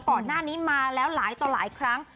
ก่อนหน้านี้มาแล้วหลายต่อหลายครั้ง